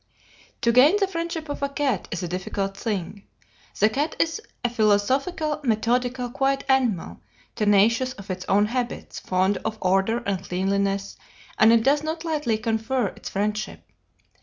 "To gain the friendship of a cat is a difficult thing. The cat is a philosophical, methodical, quiet animal, tenacious of its own habits, fond of order and cleanliness, and it does not lightly confer its friendship.